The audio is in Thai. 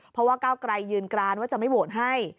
เพราะว่าก้าวไกลยืนกรานว่าจะไม่โหวตให้